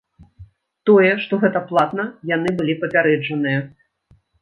Тое, што гэта платна, яны былі папярэджаныя.